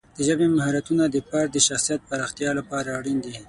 د ژبې مهارتونه د فرد د شخصیت پراختیا لپاره اړین دي.